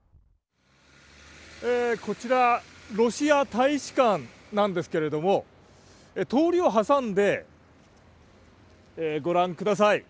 こちらロシア大使館なんですけれども通りを挟んで、ご覧ください。